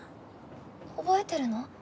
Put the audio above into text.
覚えてるの？